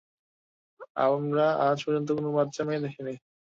আমরা আজ পর্যন্ত কোন বাচ্চা মেয়ে দেখিনি।